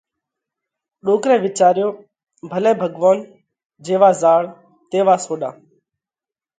ڏوڪرئہ وِيچاريو: ڀلي ڀڳوونَ، جيوا زهاڙ، تيوا سوڏا۔